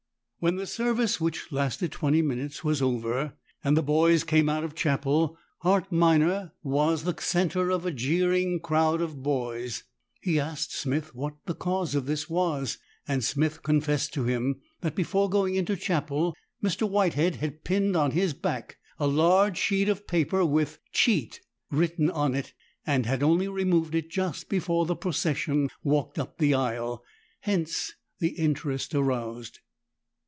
When the service, which lasted twenty minutes, was over, and the boys came out of chapel, Hart Minor was the centre of a jeering crowd of boys. He asked Smith what the cause of this was, and Smith confessed to him that before going into chapel Mr. Whitehead had pinned on his back a large sheet of paper with "Cheat" written on it, and had only removed it just before the procession walked up the aisle, hence the interest aroused.